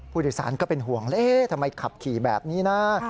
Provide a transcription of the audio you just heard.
ผู้โดยสารก็เป็นห่วงเอ๊ะทำไมขับขี่แบบนี้นะ